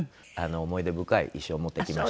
思い出深い衣装を持ってきました。